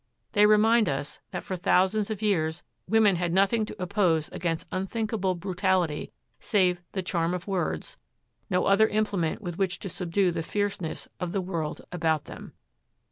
They remind us that for thousands of years women had nothing to oppose against unthinkable brutality save 'the charm of words,' no other implement with which to subdue the fiercenesses of the world about them.